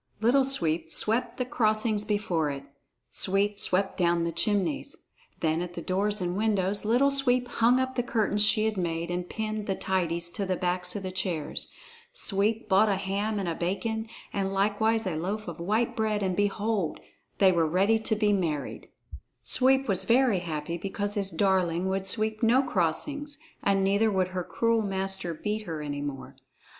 Little Sweep swept the crossings before it; Sweep swept down the chimneys. Then at the doors and windows Little Sweep hung up the curtains she had made, and pinned the tidies to the backs of the chairs. Sweep bought a ham and a bacon, and likewise a loaf of white bread, and behold, they were ready to be married! [Illustration: "Hide me, Little Sweep," cried Red Cap. "My brother is after me." Page 175.] Sweep was very happy because his darling would sweep no crossings, and neither would her cruel master beat her any more.